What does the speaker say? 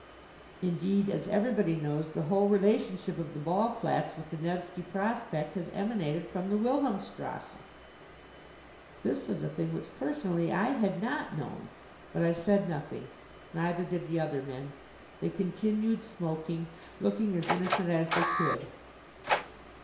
"Indeed, as everybody knows, the whole relationship of the Ballplatz with the Nevski Prospekt has emanated from the Wilhelmstrasse." This was a thing which personally I had not known. But I said nothing. Neither did the other men. They continued smoking, looking as innocent as they could.